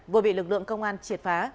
vừa bị lực lượng công an triệt phá